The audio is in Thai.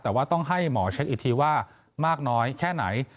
แต่ว่าต้องให้หมอเช็คอีกทีว่ามากน้อยแค่ไหน